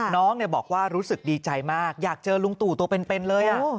น้องบอกว่ารู้สึกดีใจมากอยากเจอลุงตู่ตัวเป็นเลย